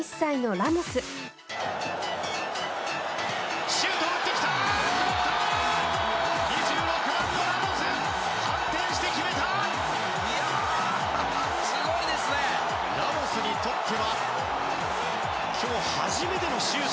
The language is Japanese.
ラモスにとっては今日初めてのシュートが。